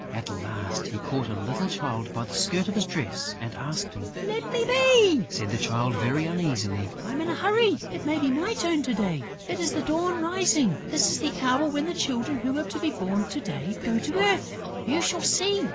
At last, he caught a little Child by the skirt of his dress and asked him. "Let me be," said the Child, very uneasily. "I'm in a hurry: it may be my turn to day.... It is the Dawn rising. This is the hour when the Children who are to be born to day go down to earth.... You shall see....